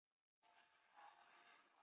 湖广孝感县人。